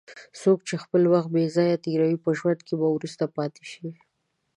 څوک چې خپل وخت بې ځایه تېروي، په ژوند کې به وروسته پاتې شي.